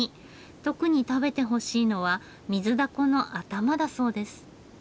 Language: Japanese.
特に食べてほしいのはミズダコの頭だそうです。